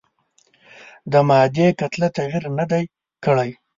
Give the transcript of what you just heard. د مادې کتله تغیر نه دی کړی.